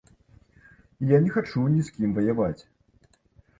І я не хачу ні з кім ваяваць.